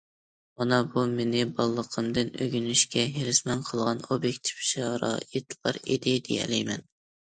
مانا بۇ مېنى بالىلىقىمدىن ئۆگىنىشكە ھېرىسمەن قىلغان ئوبيېكتىپ شارائىتلار ئىدى، دېيەلەيمەن.